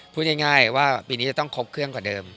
พูดง่ายว่าปีนี้จะต้องครบเครื่องกว่าเดิม